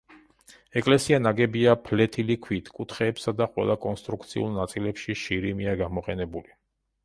ეკლესია ნაგებია ფლეთილი ქვით, კუთხეებსა და ყველა კონსტრუქციულ ნაწილებში შირიმია გამოყენებული.